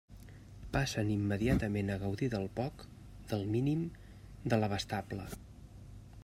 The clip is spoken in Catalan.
Passen immediatament a gaudir del poc, del mínim, de l'abastable.